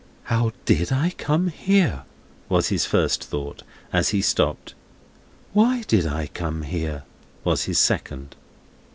"How did I come here!" was his first thought, as he stopped. "Why did I come here!" was his second.